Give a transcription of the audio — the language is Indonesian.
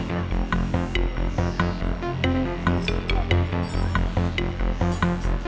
gatot kaca jangan orphan zelf